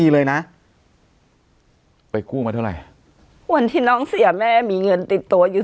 เลยนะไปกู้มาเท่าไหร่วันที่น้องเสียแม่มีเงินติดตัวอยู่